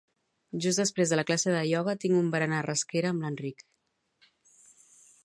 Just després de la classe de ioga tinc un berenar a Rasquera amb l'Enric.